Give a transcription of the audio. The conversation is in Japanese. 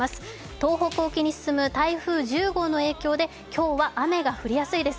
東北に進む台風１０号の影響で今日は雨が降りやすいです。